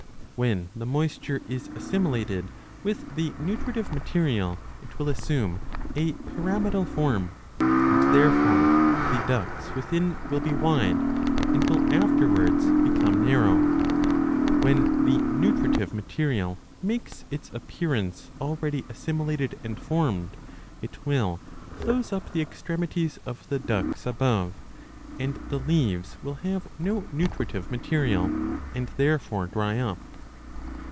When the moisture is assimilated with the nutritive material, it will assume a pyramidal form, and therefore the ducts 35 within will be wide and will afterwards become narrow ; 4 when the nutritive material makes its appearance already assimilated and formed, it will close up the extremities of the ducts above, and the leaves will have no nutritive material, and therefore dry up.